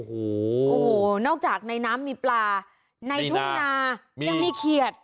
โอ้โฮนอกจากในน้ำมีปลาในทุ่นนครานางศาลียังมีเขียด